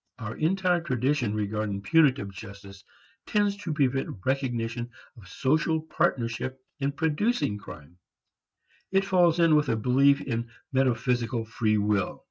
Our entire tradition regarding punitive justice tends to prevent recognition of social partnership in producing crime; it falls in with a belief in metaphysical free will.